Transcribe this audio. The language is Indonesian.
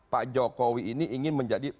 pak jokowi ini ingin menjadi